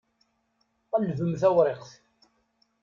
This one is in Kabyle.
Qelbem tawṛiqt.